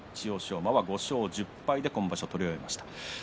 馬は５勝１０敗で今場所を取り終えました。